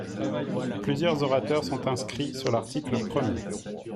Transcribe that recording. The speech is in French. Plusieurs orateurs sont inscrits sur l’article premier.